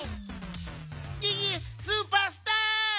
ギギスーパースター！